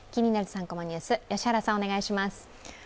３コマニュース」、良原さん、お願いします。